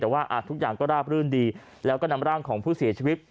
แต่ว่าทุกอย่างก็ราบรื่นดีแล้วก็นำร่างของผู้เสียชีวิต